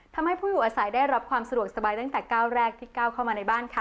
ทำให้ผู้อยู่อาศัยได้รับความสะดวกสบายตั้งแต่ก้าวแรกที่ก้าวเข้ามาในบ้านค่ะ